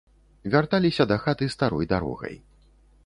Вярталіся дахаты старой дарогай.